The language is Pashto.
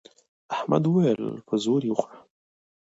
احمد وويل: په زور یې وخوره.